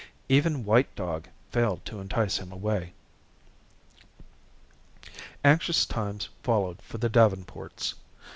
Even white dog failed to entice him away. Anxious times followed for the Davenports.